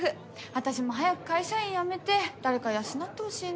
私も早く会社員辞めて誰か養ってほしいなあ。